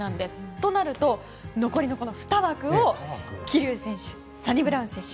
となると、残りの２枠を桐生選手、サニブラウン選手